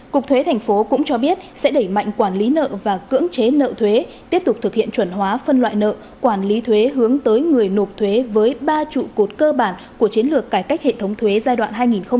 cục thuế thành phố cũng cho biết sẽ đẩy mạnh quản lý nợ và cưỡng chế nợ thuế tiếp tục thực hiện chuẩn hóa phân loại nợ quản lý thuế hướng tới người nộp thuế với ba trụ cột cơ bản của chiến lược cải cách hệ thống thuế giai đoạn hai nghìn một mươi sáu hai nghìn hai mươi